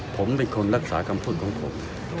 ผมเป็นคนรักษาคำพูดของผม